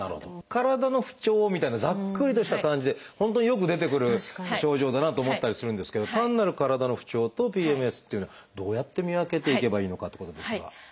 体の不調みたいなざっくりとした感じで本当によく出てくる症状だなと思ったりするんですけど単なる体の不調とＰＭＳっていうのはどうやって見分けていけばいいのかってことですが。